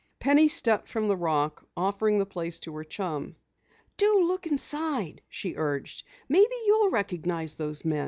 Penny stepped from the rock, offering the place to her chum. "Do look inside," she urged. "Maybe you'll recognize those men.